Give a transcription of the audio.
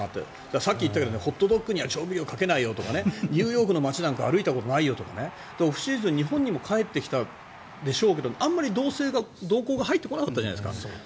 さっき言ったけどホットドッグに調味料をかけないよとかニューヨークの街なんか歩いたことないよとかオフシーズン日本にも帰ってきたでしょうけどあんまり動向が入ってこなかったじゃないですか。